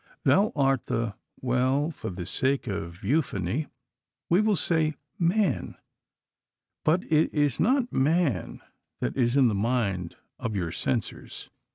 Thou art the well, for the sake of euphony we will say man, but it is not man that is in the mind of your censors.